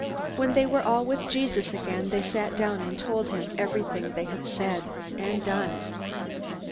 When they were all with Jesus again, they sat down and told him everything they had said and done.